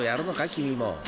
君も］